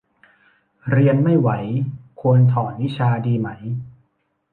เรียนไม่ไหว ควรถอนวิชาดีไหม